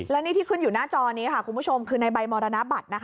และนี่ที่ขึ้นอยู่หน้าจอนี้ค่ะคุณผู้ชมคือในใบมรณบัตร